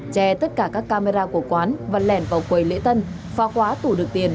che tất cả các camera của quán và lẻn vào quầy lễ tân phá quá tủ được tiền